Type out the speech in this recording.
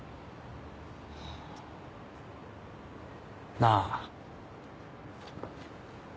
なあ。